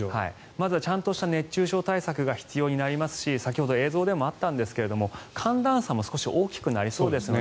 まずはちゃんとした熱中症対策が必要になりますし先ほど映像でもあったんですが寒暖差も少し大きくなりそうですね。